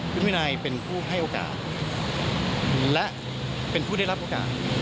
คุณวินัยเป็นผู้ให้โอกาสและเป็นผู้ได้รับโอกาส